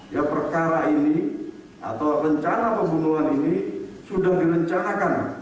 ya perkara ini atau rencana pembunuhan ini sudah direncanakan